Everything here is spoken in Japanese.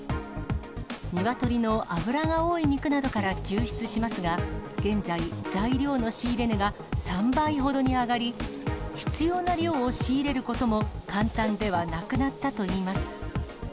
ニワトリの脂が多い肉などから抽出しますが、現在、材料の仕入れ値が３倍ほどに上がり、必要な量を仕入れることも簡単ではなくなったといいます。